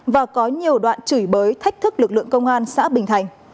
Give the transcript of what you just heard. và có nhiều đoạn chửi bới thách thức lực lượng công an xã bình thành